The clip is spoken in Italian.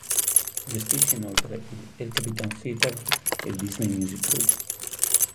Gestisce inoltre il El Capitan Theatre e il Disney Music Group.